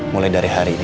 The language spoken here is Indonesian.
mulai dari hari ini